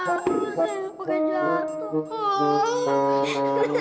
hai semua selesai kehamat